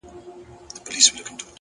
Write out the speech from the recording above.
پرمختګ د عذرونو پای ته اړتیا لري!.